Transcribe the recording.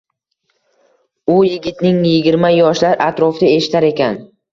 U yigitning yigirma yoshlar atrofida eshitar ekan